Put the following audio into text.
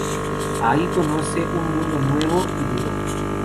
Ahí conoce un mundo nuevo y duro.